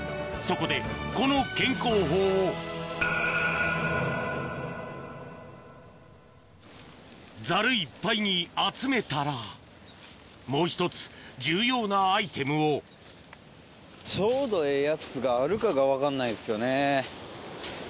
そこでこの健康法をザルいっぱいに集めたらもう１つ重要なアイテムをちょうどええやつがあるかが分かんないですよね。